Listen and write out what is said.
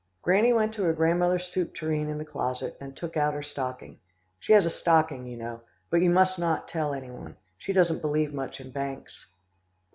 "Granny went to her grandmother's soup tureen in the closet, and took out her stocking. She has a stocking, you know, but you must not tell any one. She doesn't believe much in banks."